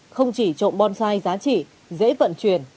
không chỉ trộm bonsai giá trị dễ vận chuyển